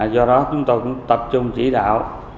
do đó chúng tôi cũng tập trung chỉ đạo